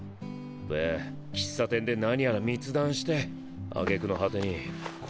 で喫茶店で何やら密談してあげくの果てにこれ。